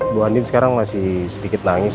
bu andin sekarang masih sedikit nangis